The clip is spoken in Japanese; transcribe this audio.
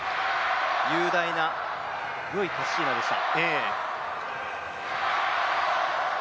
雄大な良いカッシーナでした。